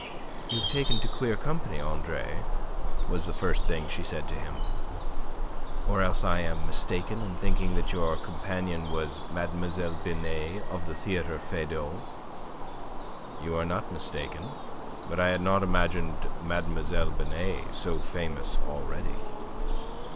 "You have taken to queer company, Andre," was the first thing she said to him. "Or else I am mistaken in thinking that your companion was Mlle. Binet of the Theatre Feydau." "You are not mistaken. But I had not imagined Mlle. Binet so famous already."